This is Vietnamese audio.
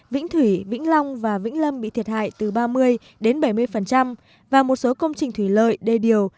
vĩnh thủy vĩnh long và vĩnh lâm bị thiệt hại từ ba mươi đến bảy mươi và một số công trình thủy lợi đê điều